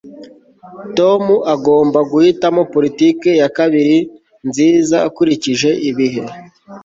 tom agomba guhitamo politiki ya kabiri nziza ukurikije ibihe